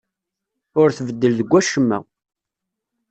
Ur tbeddel deg wacemma.